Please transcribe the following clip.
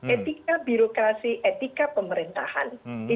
etika birokrasi etika pemerintahan